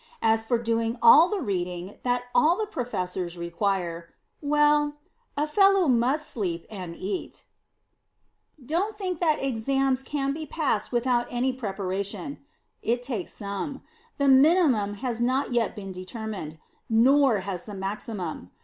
As for doing all the reading that all the Professors require well, a fellow must sleep and eat. [Sidenote: WORKING FOR EXAMS] Don't think that Exams can be passed without any preparation. It takes some. The minimum has not yet been determined; nor has the maximum.